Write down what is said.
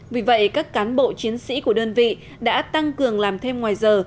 vì vậy các cán bộ chiến sĩ của đơn vị đã tăng cường làm thêm ngoài giờ